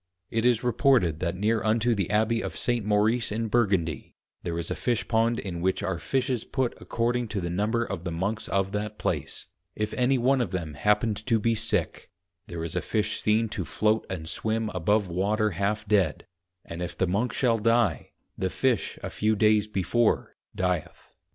It is reported that near unto the Abby of St. Maurice in Burgundy there is a Fishpond in which are Fishes put according to the number of the Monks of that place; if any one of them happened to be sick, there is a Fish seen to Float and Swim above Water half dead, and if the Monk shall die, the Fish a few days before dieth.